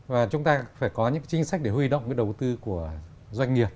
và chúng ta phải có những chính sách để huy động cái đầu tư của doanh nghiệp